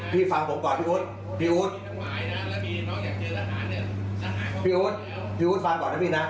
พี่ฟังผมก่อนพี่อุ๊ตพี่อุ๊ตพี่อุ๊ตฟังก่อนนะพี่นะ